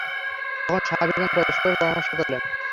তখন সাহাবীগণ পরস্পর পরামর্শ করলেন।